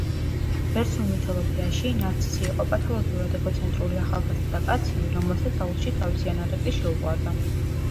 ბერძნულ მითოლოგიაში, ნარცისი იყო პათოლოგიურად ეგოცენტრული ახალგაზრდა კაცი, რომელსაც აუზში თავისი ანარეკლი შეუყვარდა.